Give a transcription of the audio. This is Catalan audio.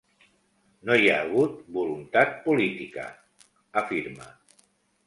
No hi ha hagut voluntat política, afirma.